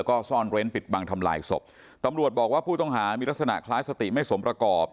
ก็ซ่อนเร้นปิดบังทำลายศพตำรวจบอกว่าผู้ต้องหามีลักษณะคล้ายสติไม่สมประกอบ